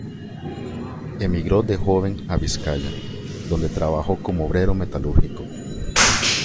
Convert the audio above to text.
Emigró de joven a Vizcaya, dónde trabajó como obrero metalúrgico.